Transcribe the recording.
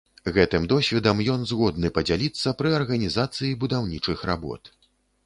Гэтым досведам ён згодны падзяліцца пры арганізацыі будаўнічых работ.